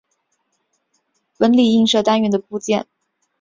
纹理映射单元的部件。